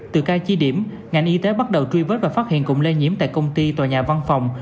từ ca chi điểm ngành y tế bắt đầu truy vết và phát hiện cụm lây nhiễm tại công ty tòa nhà văn phòng